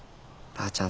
ばあちゃん